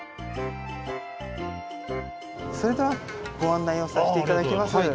それではご案内をさせて頂きます。